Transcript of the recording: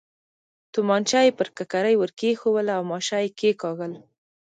تومانچه یې پر ککرۍ ور کېښووله او ماشه یې کېکاږل.